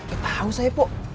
gak tahu saya po